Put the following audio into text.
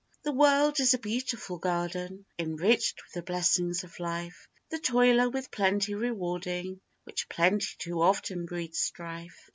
The world is a beautiful garden, Enriched with the blessings of life, The toiler with plenty rewarding, Which plenty too often breeds strife.